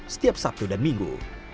setiap sabtu dan minggu